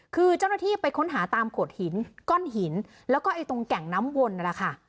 คือเจ้าหน้าที่ไปค้นหาตามโขดหินก้อนหินแล้วก็ตรงแก่งน้ำวนนั่นแหละค่ะ